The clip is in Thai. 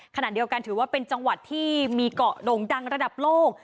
ขณะเดียวกันถือว่าเป็นจังหวัดที่มีเกาะโด่งดังระดับโลก